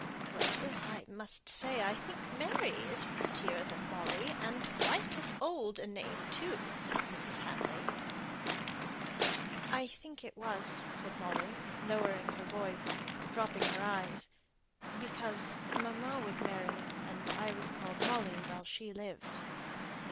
"Well, I must say I think Mary is prettier than Molly, and quite as old a name, too," said Mrs. Hamley. "I think it was," said Molly, lowering her voice, and dropping her eyes, "because mamma was Mary, and I was called Molly while she lived."